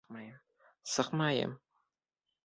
Сыҡмайым!